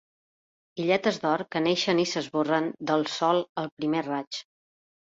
Illetes d’or que naixen i s’esborren del sol al primer raig.